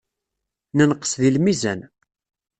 Nenqes deg lmizan.